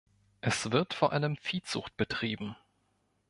Es wird vor allem Viehzucht betrieben.